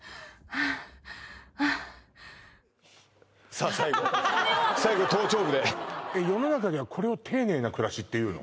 さあ最後最後頭頂部でえっ世の中ではこれを丁寧な暮らしって言うの？